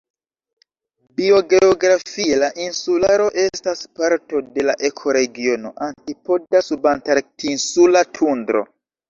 Biogeografie la insularo estas parto de la ekoregiono "antipoda-subantarktinsula tundro".